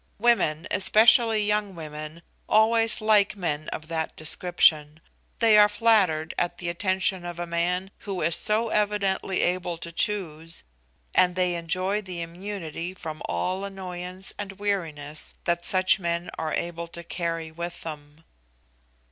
Women, especially young women, always like men of that description; they are flattered at the attention of a man who is so evidently able to choose, and they enjoy the immunity from all annoyance and weariness that such men are able to carry with them.